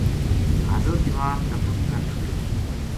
بھادر جوان دفن کر چھُڑیو